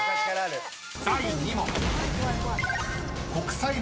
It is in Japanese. ［第２問］